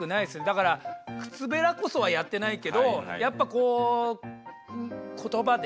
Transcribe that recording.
だから靴べらこそはやってないけどやっぱこう言葉で。